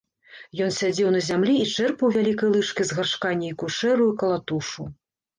Ён сядзеў на зямлі і чэрпаў вялікай лыжкай з гаршка нейкую шэрую калатушу.